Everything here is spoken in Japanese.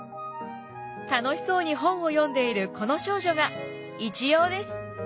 楽しそうに本を読んでいるこの少女が一葉です。